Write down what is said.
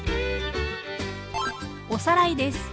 おさらいです。